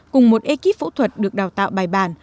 cùng một ekip phẫu thuật được đào tạo bài bản